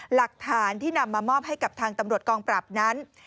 หลักฐานที่นำมามอบให้กับทางตำรวจกองปราบนั้น